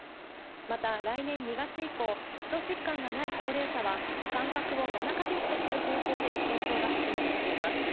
また来年２月以降、基礎疾患がない高齢者は、間隔を７か月とする方向で、検討が進められています。